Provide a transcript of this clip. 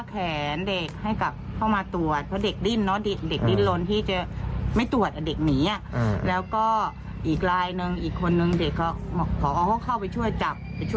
คือชินกับเสียงเขาอยู่แล้วแล้วก็เฉย